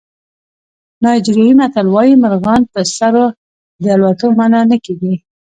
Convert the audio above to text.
نایجریایي متل وایي مرغان په سر د الوتلو منع نه کېږي.